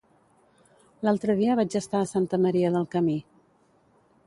L'altre dia vaig estar a Santa Maria del Camí.